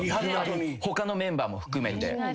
他のメンバーも含めて。